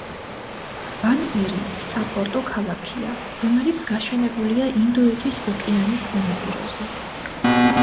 ბანბერი საპორტო ქალაქია, რომელიც გაშენებულია ინდოეთის ოკეანის სანაპიროზე.